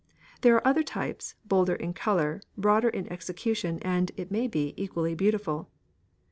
There are other types, bolder in colour, broader in execution, and, it may be, equally beautiful.